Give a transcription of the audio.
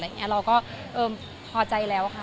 แล้วก็พอใจแล้วค่ะ